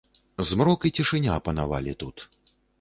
Змрок і цішыня панавалі тут.